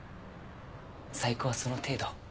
細工はその程度。